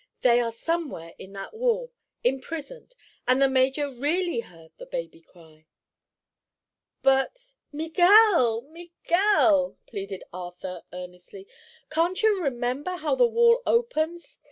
"They are somewhere in that wall, imprisoned, and the major really heard the baby cry." "But—Miguel, Miguel!" pleaded Arthur, earnestly, "can't you remember how the wall opens?